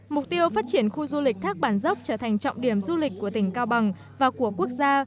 mục tiêu phát triển khu du lịch thác bản dốc trở thành trọng điểm du lịch của tỉnh cao bằng và của quốc gia